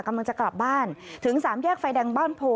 กำลังจะกลับบ้านถึงสามแยกไฟแดงบ้านโพ